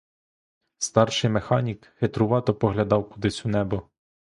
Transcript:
Старший механік хитрувато поглядав кудись у небо.